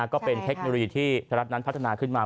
ก็เป็นเทคโนโลยีที่ไทยรัฐนั้นพัฒนาขึ้นมา